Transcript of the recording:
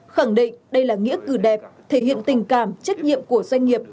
khẳng định đây là nghĩa cử đẹp thể hiện tình cảm trách nhiệm của doanh nghiệp